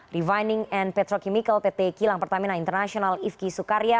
revining and petrochemical pt kilang pertamina international ifki sukarya